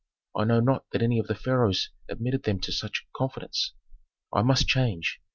I know not that any of the pharaohs admitted them to such confidence! I must change.